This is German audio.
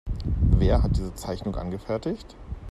Wer hat diese Zeichnung angefertigt?